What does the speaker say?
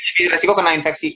jadi resiko kena infeksi